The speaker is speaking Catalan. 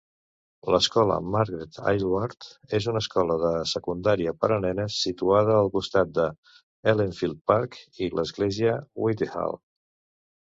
L'escola Margret Aylward és una escola de secundària per a nenes situada al costat del Ellenfield Park i l'església Whitehall.